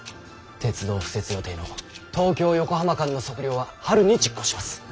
鐵道敷設予定の東京横浜間の測量は春に実行します。